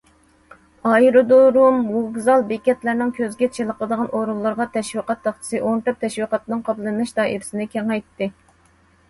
ئايرودۇرۇم، ۋوگزال، بېكەتلەرنىڭ كۆزگە چېلىقىدىغان ئورۇنلىرىغا تەشۋىقات تاختىسى ئورنىتىپ، تەشۋىقاتنىڭ قاپلىنىش دائىرىسىنى كېڭەيتتى.